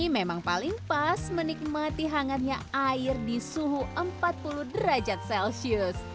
memang paling pas menikmati hangatnya air di suhu empat puluh derajat celcius